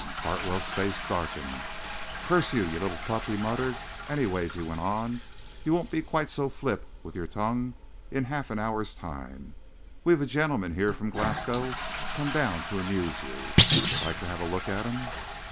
Hartwell's face darkened. "Curse you, you little pup!" he muttered. "Anyways," he went on, "you won't be quite so flip with your tongue in half an hour's time. We've a gentleman here from Glasgow come down to amuse you. Like to have a look at him?"